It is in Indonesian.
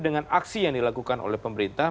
dengan aksi yang dilakukan oleh pemerintah